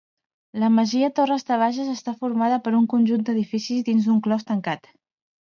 La masia Torres de Bages està formada per un conjunt d'edificis dins un clos tancat.